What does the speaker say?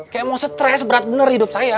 kayak mau stres berat bener hidup saya